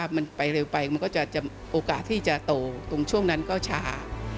มันไปเร็วไปมันก็จะโอกาสที่จะโตตรงช่วงนั้นก็ช้า